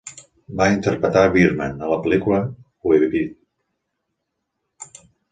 Va interpretar "Birdman" a la pel·lícula "Whip It"